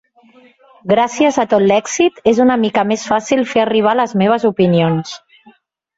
Gràcies a tot l'èxit, és una mica més fàcil fer arribar les meves opinions.